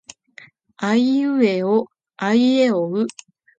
あいうえおあいえおう。